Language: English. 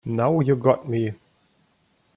Now you got me.